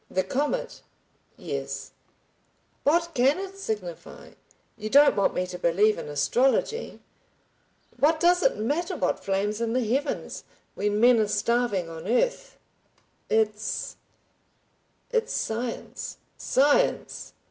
"The comet?" "Yes." "What can it signify? You don't want me to believe in astrology. What does it matter what flames in the heavens—when men are starving on earth?" "It's—it's science." "Science!